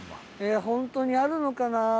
本当にあるのかな？